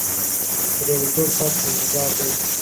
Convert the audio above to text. بریالیتوب ستاسو په انتظار دی.